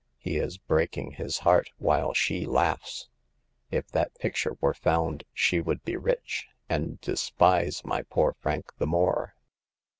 He is breaking his heart, while she laughs. If that picture were found she would be rich, and de spise my poor Frank the more."